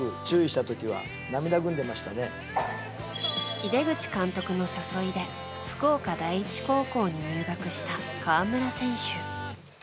井手口監督の誘いで福岡第一高校に入学した河村選手。